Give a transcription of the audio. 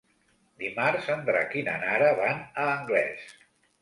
Dimarts en Drac i na Nara van a Anglès.